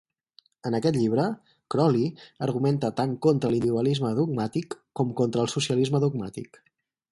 En aquest llibre, Croly argumenta tant contra l'individualisme dogmàtic com contra el socialisme dogmàtic.